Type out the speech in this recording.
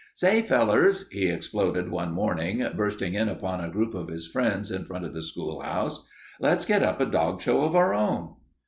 "Say, fellers," he exploded one morning, bursting in upon a group of his friends in front of the schoolhouse, "let's get up a dog show of our own."